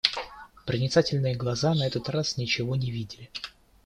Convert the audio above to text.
Проницательные глаза на этот раз ничего не видали.